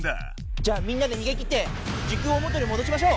じゃあみんなで逃げ切って時空を元にもどしましょう！